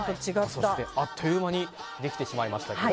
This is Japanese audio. あっという間にできてしまいました。